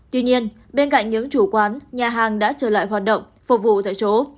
tuy nhiên bên cạnh những chủ quán nhà hàng đã trở lại hoạt động phục vụ tại chỗ